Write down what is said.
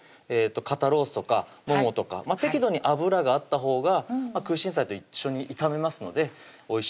肩ロースとかももとか適度に脂があったほうが空心菜と一緒に炒めますのでおいしいと思います